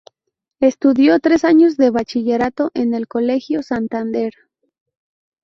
Estudió tres años de bachillerato en el Colegio Santander.